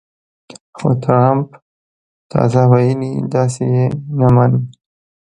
خو ټرمپ تازه ویلي، داسې یې نه منم